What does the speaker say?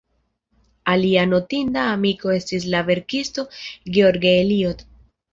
Alia notinda amiko estis la verkisto George Eliot.